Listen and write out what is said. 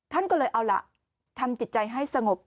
ท่านก็เลยเอาล่ะทำจิตใจให้สงบ